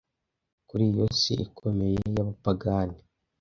'Kuri iyo si ikomeye y'abapagani